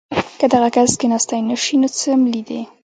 کۀ دغه کس کښېناستے نشي نو څملي دې